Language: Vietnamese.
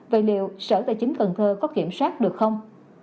vậy liệu sở tài chính cần thơ có kiểm soát được không